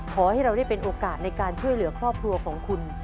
ขอให้เราได้เป็นโอกาสในการช่วยเหลือครอบครัวของคุณ